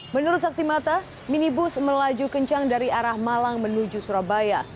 menurut saksi mata minibus melaju kencang dari arah malang menuju surabaya